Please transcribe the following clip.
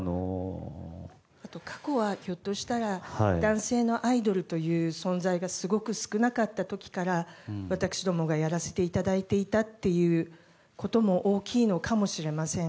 過去はひょっとしたら男性のアイドルという存在がすごく少なかった時から私どもがやらせていただいていたということも大きいのかもしれません。